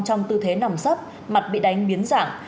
trong tư thế nằm sấp mặt bị đánh biến dạng